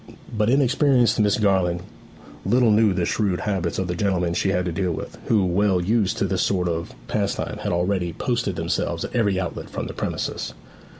But inexperienced Miss Garland little knew the shrewd habits of the gentlemen she had to deal with, who, well used to this sort of pastime, had already posted themselves at every outlet from the premises.